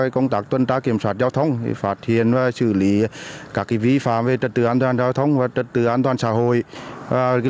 công tác tuần tra kiểm soát giao thông phát hiện và xử lý các vi phạm về trật tự an toàn giao thông và trật tự an toàn xã hội